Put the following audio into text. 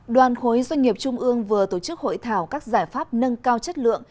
đoàn khối doanh nghiệp trung ương vừa tổ chức hội thảo các giải pháp nâng cao chất lượng